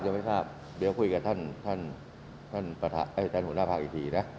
ยังไม่ทราบเดี๋ยวคุยกับท่านท่านหัวหน้าภาคอีกทีนะ